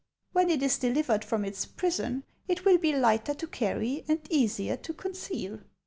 When it is delivered from its prison, it will be lighter to carry and easier to conceal."